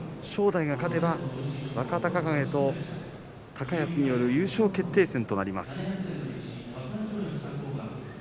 正代、勝てば若隆景と高安による優勝決定戦となります。